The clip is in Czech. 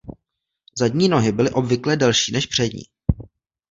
Zadní nohy byly obvykle delší než přední.